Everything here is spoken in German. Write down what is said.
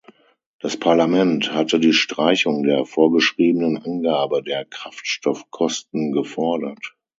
Das Parlament hatte die Streichung der vorgeschriebenen Angabe der Kraftstoffkosten gefordert.